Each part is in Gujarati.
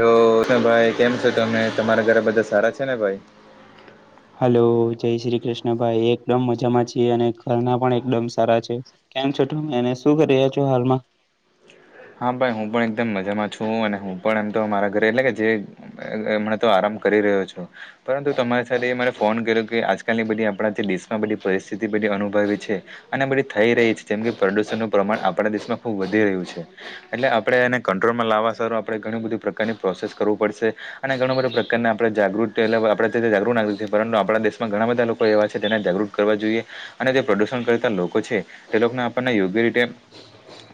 તો ભાઈ કેમ છો તમે તમારા ઘરે બધા સારા છે ને ભાઈ? હલો જય શ્રી કૃષ્ણ ભાઈ એકદમ મજામાં છીએ અને ઘરના પણ એકદમ સારા છે. કેમ છો ટમે એને શું કરી રહ છો હાલમાં હા ભાઈ હું પણ એકદમ મજામાં છું અને હું પણ એમ તો મારા ઘરે એટલે જે એમણે તો આરામ કરી રહ્યો છો. પરંતુ તમારી સાથે મારે ફોન કર્યો કે આજકાલ ની બધી આપણા જે બધી પરિસ્થિતિ બધી અનુભવી છે અને બધી થઈ રહી છે જેમ કે પ્રદૂષણનું પ્રમાણ આપણા દેશમાં વધી રહ્યું છે એટલે આપણેે એને કંટ્રોલમાં લાવવા સું આપણે ઘણ બધી પ્રકારની પ્રોસેસ કરવું પડશે અને ઘણો બધા પ્રકારને આપણે જાગૃતિ આપ જાગૃત પરંતુ આપણા દેશમાં ઘણા બધા લોકો એવા છે તેને જાગૃત કરવા જોઈએ અને તે પ્રદુષણ કરતા લોકો છે તે લોકોને આપણને યોગ્ય રીતે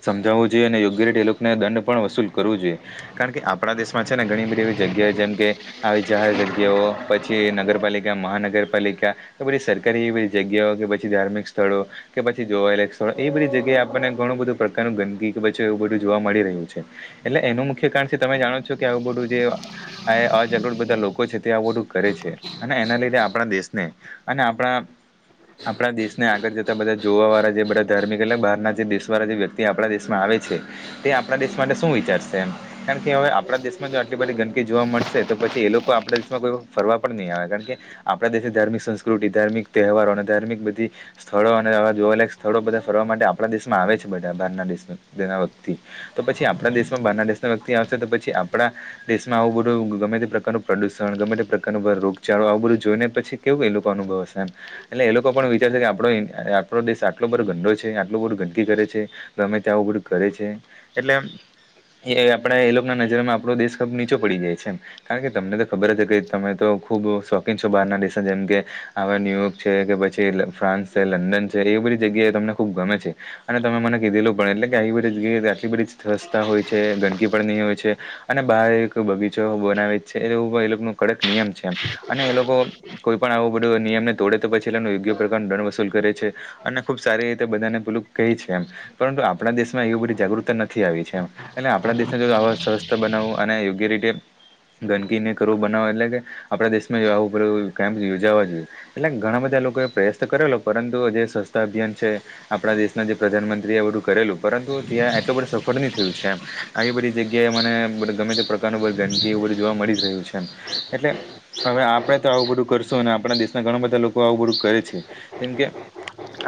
સમજાવવું જોઈએ અને યોગ્ય રીતે એ લોકોને દંડ પણ વસૂલ કરવો જોઈએ. કારણ કે આપણા દેશમાં છે ને ઘણી બધી એવી જગ્યા જેમ કે આવી જાહેર જગ્યાઓ પછી નગરપાલિકા મહાનગરપાલિકા કે પછી સરકારી એવી બધી જગ્યાઓ કે પછી ધાર્મિક સ્થળો કે પછી જોવાયે એ બધી જગ્યાએ આપણને ઘણું બધું પ્રકારનું ગંદકી પછે એવું બધું જોવા મળી રહ્યું છે એટલે એનું મુખ્ય કારણ છે તમે જાણો છો કે આવું બધું જે આ અ જાગૃત બધા લોકો છે તે આ બધું કરે છે અને એના લિઘે આપણા દેશને અને આપણા આપણા દેશને આગળ જતા બધા જોવા વાળા જે બધા ધાર્મિક બહાર ના જે દેશવાળા જે વ્યક્તિ આપણા દેશ આવે છે તે આપણા દેશ માટે શું વિચારશે એ કારણ કે હવે આપણા દેશમાં જો આટલી બધી ગંદકી જોવા મળશે તો પછી એ લોકો આપણા દેશમાં કોઈ ફરવા પણ નહી આવે કારણ કે આપણા દેશ ધાર્મિક સંસ્કૃતિ ધાર્મિક તહેવારો અને ધાર્મિક બધી સ્થળો અને જોવાક સ્થળો બધા ફરવા માટે આપણા દેશમાં આવે છે બધા બારના દેશના વખથી તો પછી આપણા દેશમાં બંગનાદેશનો વ્યક્તિ આવશે તો પછી આપણા દેશમાં આવું બધું ગમે તે પ્રકારનું પ્રદુષણ ગમે તે પ્રકારનું રોગચાળો આવું બધું જોઈ ને પછી કેું એ લોકો અનુભવ હશે એટલે એ લોકો પણ વિચાર છે કે આપ આપણો દેશ આટલો બધો ગંડો છે આટલું બધું ગંદકી કરે છે ગમે ત્યાં ઓગડું કરે છે એટલે એ આપડા એ લોકો ના નજરમાં આપણો દેશ ખબ નીચો પડી જાય છે એમ કારણ કે તમને તો ખબર જ કે તમે તો ખુબ શોખીન છો બહાર ના દિશા જેમ કે આવા ન્યુયોર્ક છે કે પછી ફ્રાન્સ છે લંડન છે એવી બધી જગ્યાએ તમને ખુબ ગમે છે અને તમે મને કીધેલું પણે એટલે કે આવી બધી આટલી બધી સ્વસ્થતા હોય છે ગંદકી પણ નહીં હોય છે અને બાર એક બગીચો બનાવે છે એવું એ લોકો ન કડક નિયમ છે એમ અને એ લોકો કોઈ પણ આવો બધો નિયમને તોડે તો પછી એ યોગ્ય પ્રકારનું દંડ વસૂલ કરે છે અને ખુબ સારી રીતે બધાને પેલું કહી છે એમ પરંતુ આપણા દેશમાં એવી બધી જાગૃતતા નથી આવી છે એમ એટલે આપણા દેશને જો આવા સ્વસ્થ બનાવવું અને યોગ્ય રીતે ગંદકીને કરવું બનાવ એટલે કે આપણા દેશમાં આવું ઉપર એ કેમ્પ યોજાવા જોઈએ એટલે ઘણા બધા લોકો એ પ્રયાસ તો કરેલો પરંતુ જે સ્વચ્છતા અભિયાન છે આપણા દેશના જે પ્રધાનમંત્રી બધું કરેલું પરંતુ ત્યાં એ તો બ સફળ નહી થયું છે એમ આવી બધી જગ્યાએ મને ગમે તે દુાન ઉપર ગંદકી ઉપર જોવા મળી રહ્યું છે એટલે હવે આપણે તો આવું બધું કરશું અને આપણા દેશના ઘણા બધા લોકો આવું બધું કરે છે કેમકે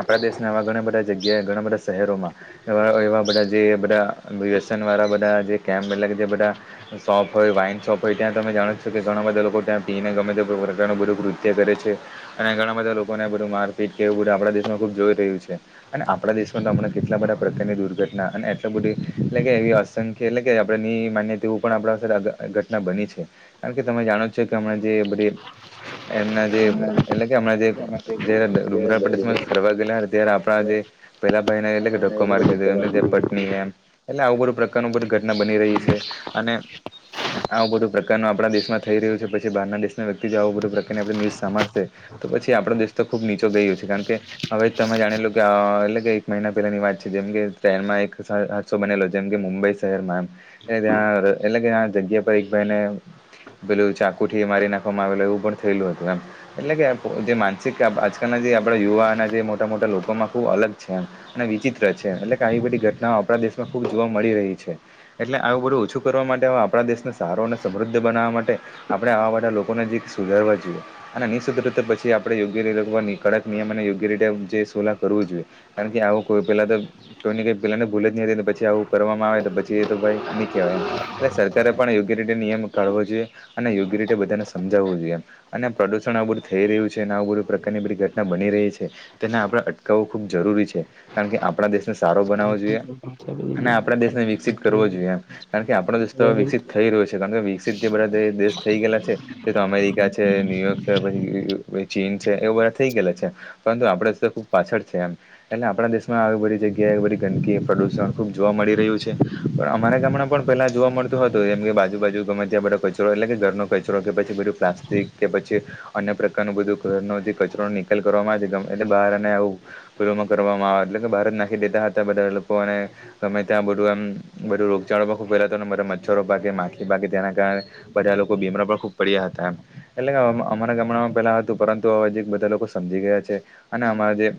આપણા દેશને આવા ઘણા બધા જગ્યાએ ઘણા બધા શહેરોમાં એવા બધા જે બધાુએસન વાળા બધા જે કેમ્પટ જે બધા શોપ હોય વાઈન શોપ હોય ત્યાં તમે જાણો છો કે ઘણા બધા લોકો ત્યાં પીને ગમે તે પ્રકારનું બધું કૃત્ય કરે છે અને ઘણા બધા લોકો ને બધું મારપીટ કેવું બધું આપણા દેશમાં ખુબ જોઈ રહ્યું છે અને આપણા દેશ આપમણાં કેટલા બધા પ્રકારની દુર્ઘટના અને એટલલી બધી એટલે કે એવી અસંખ્ય એટલે કે આપણે માન્યતા તેવું પણ આપણા ઘટના બની છે કારણ કે તમે જાણો છો કે હમણાં જે બધ એમના જે હાલમાં એટલે કે હમણાં જેારે ડુંગરાળ પ્ટ ફરવા ગયેલા ત્યારે આપણા જે પેલા ભાઈ ને એટલે કે ધક્કો મારી દીધો એમને જે પત્ની એમ એટલે આવું બધું પ્રકારનું બધી ઘટના બની રહી છે અને આવું બધું પ્રકારનું આપણા દેશમાં થઈ રહ્યું છે પછી બાર દેશના વ્યક્તિ આવો બધુ પ્રકારની આપ ન્યુઝ સાંભળશે તો પછી આપડો દેશ તો ખુબ નીચો ગયયો છે કારણ કે હવે તમે જાણે લોું કે એટલે એક મહિના પહેલાની વાત છે જેમ કે ટ્રેનમાં એક હાદસો બનેલો જેમ કે મુંબઈ શહેરમાંમ એ ત્યાં એટલે કે જગ્યા પર એક ભાઈ ને પેલું ચાકુ થી મારી નાખવામાં આવેલું એવું પણ થયેલું હતું એમ એટલે કે જે માનસિક આજકાલના જે આપણા યુવાના જે મોટા મોટા લોકોમાં ખુબ અલગ અને વિચિત્ર છે એટલે કે આવી બધી ઘટનાઓ આપણા દેશમાં ખુબ જોવા મળી રહી છે એટલે આવું બધું ઓછું કરવા માટે આપણા દેશને સારો અને સમૃદ્ધ બનાવવા માટે આપડણે આવા બધા લોકોને જે સુધારવા જોઈએ અને નિતા પછી આપણે યોગ્યતે કડક નિયમ અને યોગ્ય રીતે જે સોલા કરવું જોઈએ કારણ કે આવું કોઈ પેલા તો તોની કઈ પેલાને ભૂ જ ન પછી આવું કરવામાં આવે તો પછી એ તો ભાઈ નહી કહેવાય એમ એટલે સરકારે પણ યોગ્ય રીતે નિયમ કાઢવો જોઈએ અને યોગ્ય રીતે બધાને સમજાવવું જોઈએ અને પ્રદુષણ આ બધું થઈ રહ્યું છે અને આ બધું પ્રકારની બધી ઘટના બની રહી છે તેને આપણે અટકાવવું ખૂબ જરૂરી છે કારણ કે આપણા દેશ સારો બનાવો જોઈએ અને આપણા દેશને વિકિત કરવો જોઈએ કારણ કે આપ દેશ વિકસિત થઈ રહ્યો છે કારણ કે વિકસિત જે બધા દેશ થઈ ગયેલા છે તે તો અમેરિકા છે ન્યૂયોર્ક છે પછી ચીન છે એવું બધા થઈ ગયેલા છે પરંતુ આપડ તો ખુબ પાછળ છે એમ એટલે આપણા દેશમાં આવી બધી જગ્યાએ એ બધી ગંદકી પ્રદૂષણ ખૂબ જોવા મળી રહ્યું છે પણ અમારા ગામડાં પણ પેલા જોવા મળતું હતું કેમ કે બાજુ બાાજુ ગમે ત્યાં બધો કચરો એટલે કે ઘરનો કચરો કે પછી બધું પ્લાસ્ટિક કે પછી અન્ય પ્રકારનું બધું કચરો નિકાલ કરવામાં આવે ગમે બહાર અને આવું કરવામાં આવે એટલે કે બહારજ નાખી દેતા હતા બધા લોકોને ગમે ત્યાં બધું એમ બધું રોગચાળો પન ર્ફેલાતોને મચ્છરો ભાગે માખી ભાગે તેના કારણે બધા લોકો બીમરા પણ ખૂબ પડ્યા હતા એટલે કે અમારા ગામડામાં પેલા હતું પરંતુ હવે જીરિક બધા લોકો સમજી ગયા છે અને અમારા જે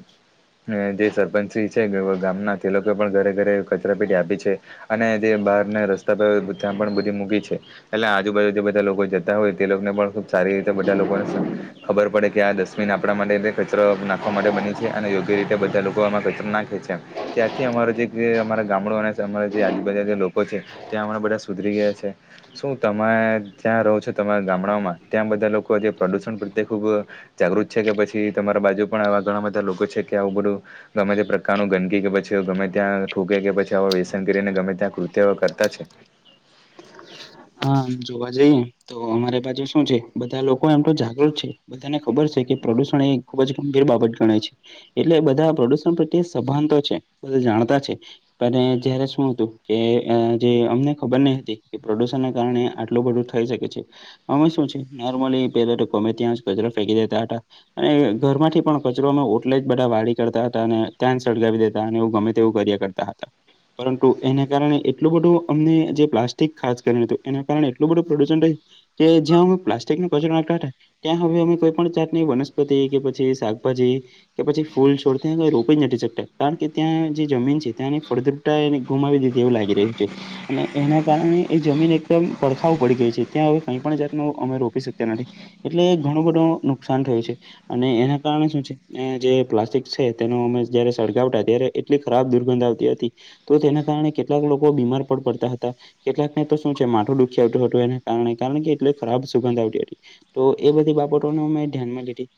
જે સરપંચજી છે ગામના તે લોકોએ પણ ઘરે ઘરે કચરા પેટી આપી છે અને જે બહારને રસ્તા પર ત્યાં પણ બધી મૂકી છે એટલે આજુબાજુ જે બધા લોકો જતા હોય તે લોકોને પણ ખુબ સારી રીતે બધા લોકોને ખબર પડે કે આ ડસ્ટબિન આપણા માટે કચરો નાખવા માટે બની છે અને યોગ્ય રીતે તે બધા લોકો એમાં કચરો નાંખે છે ત્યાંથી અમારો જે અમારા ગામદું અને અમારા જે આજુબાજુ લોકો છે ત્યાં અમારા બધા સુધરી ગયા છે શું તમે ત્યાં રહો છો તમારા ગામડાઓમાં ત્યાં બધા લોકો જે પ્રદુષણ પ્રત્યે ખૂબ જાગૃત છે કે પછી તમારા બાજુ પણ આવા ઘણા બધા લોકો છે કે આવું બધું ગમે તે પ્રકારનું ગંદકી કે પછી ગમે ત્યાં ઠૂક કે પછી વ્યસન કરીને ગમે ત્યાં કૃત્ય કરતા છે હા આમ જોવા જઈએ તો અમારે બાજુ શું છે બધા લોકો એમ તો જાગૃત છે બધાને ખબર છે કે પ્રદૂષણ એ ખુબ જ ગંભીર બાબત ગણાય છે એટલે બધા પ્રદૂષણ પ્રત્યે સભાનતો છે બધુ જાણતા છે જયારે શું હતું કે જે અમને ખબર નહ હતી કે પ્રોડુશન ને કારણે આટલું બધું થઈ શકે છે અમે શું છે નોર્મલી પેલા તો ગમે ત્યાં કચરો ફેંકી દેતા હતા અને ઘર માંથી પણ કચરો અમે ઓટલે જ બધા વાળ કરતા હતા અને ત્યાંન સળગાવી દેતા અને એવું ગમે તેવું કર્યા કરતા તા હતા પરંતુ એને કારણે એટલું બધું અમને જે પ્લાસ્ટિક ખાસ કરી કે એને કારણ એટલું બધું પ્રદુષણ રહે કે જ્યાં હ પ્લાસ્ટિકો કચરો નાખ હતા ત્યાં હવે અમે કોઈ પણ જાતની વનસ્પતિ કે પછી શાકભાજી કે પછી ફૂલ છોડ ત્યા રોપી જ નથી શકતા કારણ કે ત્યાં જે જમીન છે ત્યાં ફળદ ગુમાવી દીધ એવું લાગી રહ્યું છે અને એના કારણે એ જમીન એકદમ પડખાવ પડી ગઈ છે ત્યાં હવે કઈ પણ જાત ણુ અમે રોપી શકતા નથી એટલે ઘણું બધો નુકસાન થયું છે અને એના કારણે શું છે જે પ્લાસ્ટિક છે તેનો અમે જયારે સળગાવતા ત્યારે એટલી ખરાબ દુર્ગંધ આવતી હતી તો તેના કારણે કેટલાક લોકો બીમાર પણ પડતા હતા કેટલાક ને તો શું છે માથુ ડુ હતું એના કારણે કારણ કે એટલે ખરાબ સુગંધ આવતી હતી તો એ બધી બાબતોને મેં ધ્યાન માં લીધી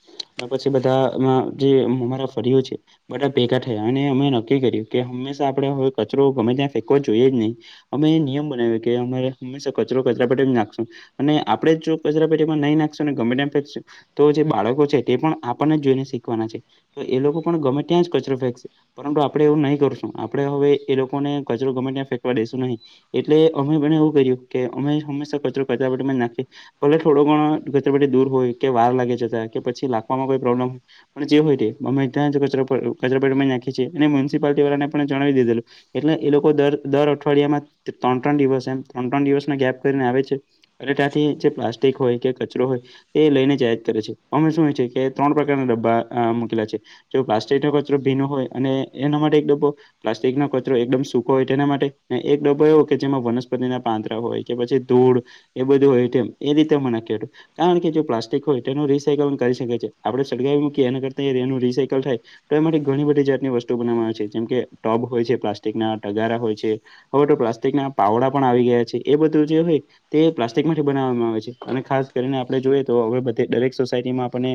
મે પછી બધા જે હ મારા ફરીયુ છે બધા ભેગા થયા અને અમે નક્કી કર્યું કે હંમેશા આપણે હવે કચરો ગમે ત્યાં ફેંકવો જોઈએ જ નહીં અમે એ નિયમ બનાવી કે અમારે હંમેશા કચરો કચરા પેટી નાખશો અને આપણેે જો કચરા પેટીમાં નઈ નાખશું ગમે તેમ ફેંકશુ તો જે બાળકો છે તે પણ આપણને જ જોઈને શીખવાના છે તો એ લોકો પણ ગમે ત્યાં જ કચરો ફેંકશે પરંતુ આપણે એવું નહી કરશું આપણે હવે એ લોકોને કચરો ગમે ત્યાં ફેંકવા દઈશું નહીં એટલે અમે પણ એવું કર્યું કે અમે હંમેશા કચરો કચરા પટમાં જ નાખી ભલે થોડો ઘણ કચરાપેટી દૂર હોય કે વાર લાગી જતા કે પછી લખવામાં કોઈ પ્રોબ્લેમ પણ જે હોય તે અમે ત્યાં જ કચોર કચરાપેતિ માં નાખી છે અને મ્યનિસિપાલટી વાળને પણ જણાવી દીધેલું એટલે એ લોકો દર દર અઠવાડિયામાં ત્રણ ત્રણ દિવસ એમ ત્રણ ત્રણ દિવસને ગેપ કરીને આવે છે અને ત્યાંથી જે પ્લાસ્ટિક હોય કે કચરો હોય તે લઈને જાહેત કરે છે અમે શું છે કે ત્રણ પ્રકારના ડબ્બા મૂકેલા છે જો પ્લાસ્ટિક નો કચરો ભીનો હોય અને એના માટે એક ડબો પ્લાસ્ટિકનો કચરો એકદમ સૂખો હોય તેના માટે એક એન એક દબો એવો કે જેમાં વનસ્પતિના પાંતરા હોય કે પછી ધૂળ એ બધું હોય તેમ એ રીતે મને કું કારણ કે જો પ્લાસ્ટિક હોય તે એનું રિસાયકલ કરી શકે છે આપણે સળગાવી મૂકીએ એના કરતા એનું રિસાયકલ થાય તો એ માટે ઘણી બધી જાતની વસ્તુ બનાવામાં આવે છે જેમ કે ટોબ હોય છે પ્લાસ્ટિકના ટગારા હોય છે હવે તો પ્લાસ્ટિક ના પાવડા પણ આવી ગયા છે એ બધું જે હોય તે પ્લાસ્ટિક માટેથી બનાવવામાં આવે છે અને ખાસ કરીને આપણે જોઈએ તો હવેધ દરેક સોસાયટીમાં આપને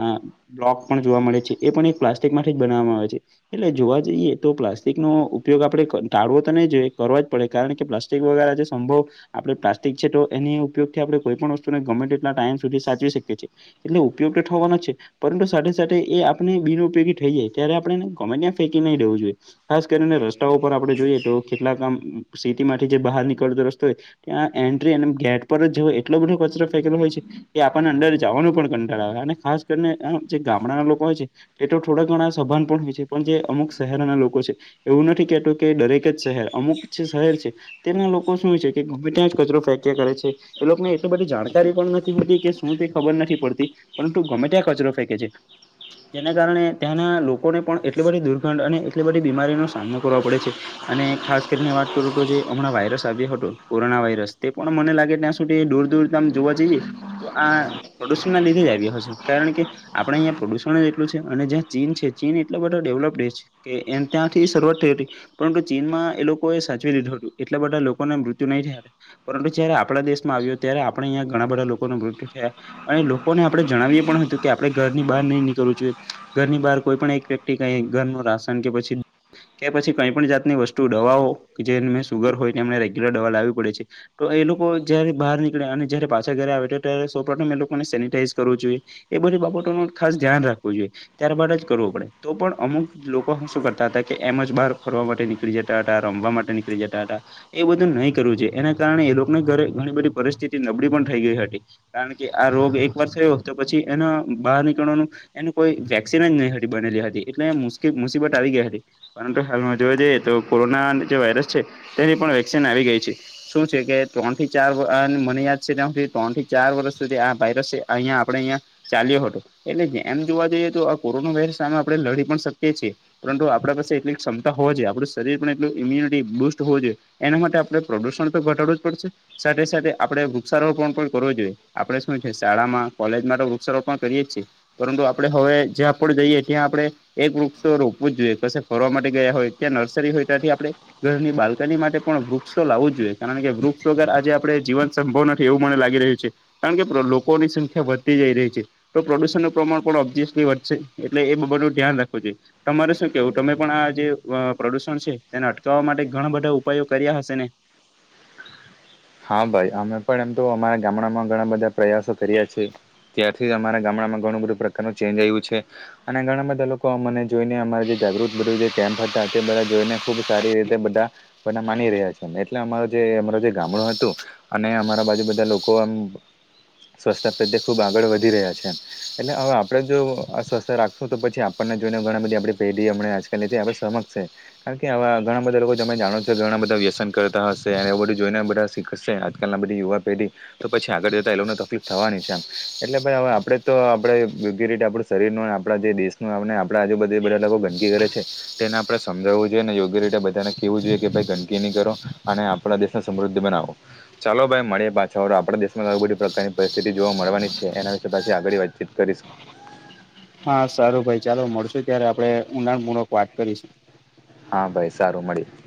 આ બ્લોક પણ જોવા મળે છે એ પણ એક પ્લાસ્ટિક માટેથી જ બનાવવામાં આવે છે. એટલે જોવા જઈએ તો પ્લાસ્ટિકનો ઉપયોગ આપડણે ટાળવો તો નહી જોઈએ કરવા જ પડે કારણ કે પ્લાસ્ટિક વગરે સંભવ આપડે પ્લાસ્ટિક છે તો એ ઉપયોગથી આપણે કોઈ પણ વસ્તુ ગર્મેન્ટ એટલા ટાઈમ સુધી સાચવી શકીએ છીએ એટલે ઉપયોગ તો થવાનો છે પરંતુ સાથે સાથે એ આપણે બિન ઉપયોગી થઈ જાય ત્યારે આપણે કોમે ત્યાં ફેંકી નઈંવું જોઈએ ખાસ કરીને રસ્તાઓ ઉપ આપડે જોઈએ તો કેટલાક કામ સ્થિતતી માટેથી જે બહાર નીળ સ્તોય ત્યાં એન્ટ્રી અને ગેટ પર જ એટલો બધો કચરો ફેકેલો હોય છે. એ આપણને અંદર જવાનું પણ કંટાળ આવે અને ખાસ કરીને આ જે ગામડાના લોકો હોય છે. એ તો થોડા ઘણા સભાન પણ હોય છે પણ જે અમુક શહેરના લોકો છે એવું નથી કેતું કે દરેક જ શહેર અમુક જે શહેર છે તેના લોકો શું છે કે ગમે ત્યાં જ કચરો ફેંકીયા કરે છે એ લોકોને એટલી બધી જાણકારી પણ નથી મળતી કે શું તે ખબર નથી પડતી પરંતુ ગમે ત્યાં કચરો ફેંકે છે જેના કારણે ત્યાંના લોકોને પણ એટલી બધી દુર્ગંધ અને એટલી બધી બીમારીનો સામનો કરવાો પડે છે અને ખાસ કરીને વાત કરું તો જે હમણાં વાયરસ કોરોના વાયરસ તે પણ મને લાગે ત્યાં સુધી દૂર દૂર જોવા જઈએ તો આ પ્રદૂષણમાં લીધી જ આવી હશે કારણ કે આપડે અહીંયા પ્રદૂષણ જ એટલું છે અને જ્યાં ચીન છે ચીન એટલો બધો ડેવલપ ડે છે કે એ ત્યાંથી શરૂઆત થઈ હતી પરંતુ ચીનમાં એ લોકોએ સાચવી લીધું હતું એટલા બધા લોકો લોકોને મૃત્યુ નહીં થયા પરંતુ જય્યારે આપણા દેશમાં આવ્યો ત્યારે આપણે અહીંયા ઘણા બધા લોકોના મૃત્યુ થયા અને લોકોને આપડણે જણાવીએ પણ હતું કે આપણે ઘરની બહાર નહી નીકળવુંઈએ ઘરની બહાર કોઈ પણ એક વ્યક્ ક ઘર ન રાસન કે પછી કે પછી કઈ પણ જાતની વસ્તુ દવાઓ જે સુુગર હોય એમને રેગ્યુલર દવા લાવવી પડે છે તો એ લોકો જયારે બહાર નીકળે અને જયારે પાછા ઘરે આવે ત્યારે સૌપથમ એ લોકોને સેનિટાઈઝ કરવું જોઈએ એ બધી બાબતો ન ખાસ ધ્યાન રાખવું જોઈએ ત્યારબાદ જ કરવો પડે તો પણ અમુક લોકો શું કરતા હતા કે એમ જ બહાર ફરવા માટે નીળ ક્રિકેટ હતા રમવા માટેની ક્રિકેટ હતા એ બધું નહીં કરવું છે એના કારણે એ લોકોની ઘરે ઘણી બધી પરિસ્થિતિ નબળી પણ થઈ ગઈ હતી કારણ કે આ રોગ એક વાર થયો તો પછી એના બહાર નીકળવાનું એનું કોઈ વેક્સિન જ ન બનેલી હતી એટલે મુસીબત આવી ગયા હતી પરંતુ હાલ જોવા જઈએ તો કોરોના જે વાયરસ છે તેની પણ વેક્સિન આવી ગઈ છે શું છે કે ત્રણ થી ચાર મને યાદ છે ત્યાં સુધી ત્રણ થી ચાર વર્ષ સુધી આ વાયરસ અહિયા આપે અયા ચાલ્યો હતો એટલે એમ જોવા જઈએ તો કોરોના વાયરસ સામે આપણે લડી પણ શકીએ છીએ પરંતુ આપણા પાસે એટલી ક્ષમતા હોય જોઈએ આપું શરીર પણ એટલું ઈમ્યુનિટી બુસ્ટ હોવ જોઈએ એના માટે આપડણે પ્રદુષણ તો ઘટાડવું જ પડશે સાથે સાથે આપડે વૃક્ષારોપણ પણ કરવું જોઈએ આપણે શું છે શાળામાં કોલેજમાં તો વૃક્ષારોપણ કરીએ છીએ પરંતુ આપણે હવે જ્યાં પણ જઈએ ત્યાં આપડણે એક વૃક્ષો રોપવું જ જોઈએ ફરવા માટે ગયા હોય ત્યાં નર્સરી હોય ત્યાંથી આપણે ઘરની બાલકની માટે પણ વૃક્ષો લાવું જોઈએ કારણ કે વૃક્ષ વગર આજે આપડે જીવન સંભવ નથી એવું મને લાગી રહ્યું છે. કારણ કે લોકોની સંખ્યા વધતી જઈ રહી છે. તો પ્રદુષણ નું પ્રમાણ પણ ઓબ્યસલી વધશે એટલે એ બાનું ધ્યાન રાખવું જોઈએ તમારે શું કેવું તમે પણ આ જે પ્રદુષણ છે તેને અટકાવવા માટે ઘણા બધા ઉપયોગ કર્યા હશે ને હા ભાઈ અમે પણ એમ તો અમારા ગામડામાં ઘણા બધા પ્રયાસો કર્યા છેએ ત્યાંથી જ અમારા ગામડામાં ઘણું બધું પ્રકારનું ચેન્જ આવ્યું છે અને ઘણા બધા લોકો મને જોઈને અમા જે જાગૃત બધું કેમ્પ હતા તે બધા જોઈને ખુબ સારી રીતે બધા બધ માની રહ્યા છે એટલે અમારો જે અમારો જે ગામડો અને અમારા બાજુ બધા લોકો આમ સ્વચથતા પ્રત્યે ખુબ આગળ વધી રહ્યા છે. એટલે હવે આપણે જો સ્વસ્થ રાખશું તો પછી આપણને જોઈને ઘણા બધી આપણી પેઢી હમં આજકાલની આપણે સમક્ષ છે. કારણ કેવા ઘણા બધા લોકો તમે જાણો છો ઘણા બધા વ્યસન કરતા હશે અને એવું બધું જોઈને બધા આજકાલ ના બધી યુવા પેઢી તો પછી આગળ જતા એ લોકોને તકલીફ થવાની છે આમ. એટલે ભાઈ હવે આપડે તો આપડે યોગ્ય રીતે આપડું શરીર ન આપણા જે દેશનું આપને આપે આજે બધી બધા લોકો ગંદકી કરે છે. તેને આપણે સમજાવવું જોઈએ અને યોગ્ય રીતે બધાને કહેવું જોઈએ કે ભાઈ ગંદકીની કરો અને આપણા દેશને સમૃદ્ધિ બનાવો. ચાલો ભાઈ મળે પાછા આપણા દેશ માંઈ બધી પ્રકારની પરિસ્થિતિ જોવા મળવાની જ છે એના વિ પાછી આગળ વાતચીત કરીશ. હા સારું ભાઈ ચાલો મળશ ત્યારે આપદે ઊંડાણ પૂર્વક વાત કરીશું. હા ભાઈ સારું મળીએ.